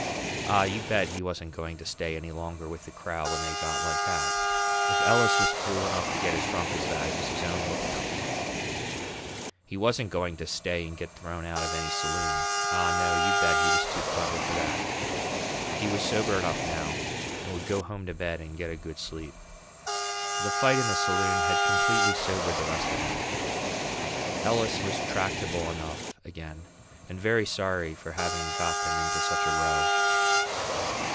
Ah, you bet he wasn't going to stay any longer with the crowd when they got like that. If Ellis was fool enough to get as drunk as that it was his own lookout. He wasn't going to stay and get thrown out of any saloon; ah, no, you bet he was too clever for that. He was sober enough now and would go home to bed and get a good sleep. The fight in the saloon had completely sobered the rest of them. Ellis was tractable enough again, and very sorry for having got them into such a row.